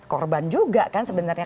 korban juga kan sebenarnya